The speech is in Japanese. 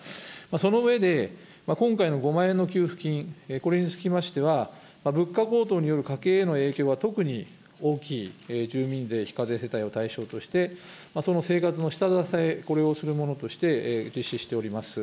その上で、今回の５万円の給付金、これにつきましては、物価高騰による家計への影響は特に大きい、住民税非課税世帯を対象として、その生活の下支え、これをするものとして実施しております。